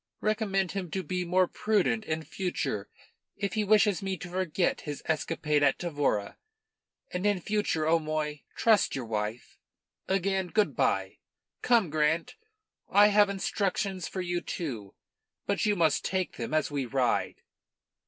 Recommend him to be more prudent in future if he wishes me to forget his escapade at Tavora. And in future, O'Moy, trust your wife. Again, good bye. Come, Grant! I have instructions for you too. But you must take them as we ride."